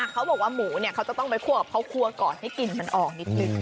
เขาบอกว่าหมูเนี่ยเขาจะต้องไปครั่วกลับคั่วก่อนให้กลิ่นมันออกนิด